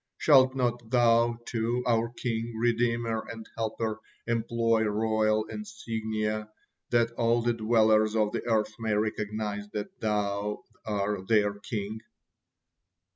Shalt not Thou, too, our King, Redeemer, and Helper, employ royal insignia, that all the dwellers of the earth may recognize that Thou are their King?"